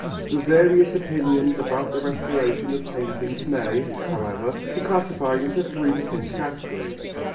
The various opinions about the restoration of paintings may, however, be classified into three distinct categories.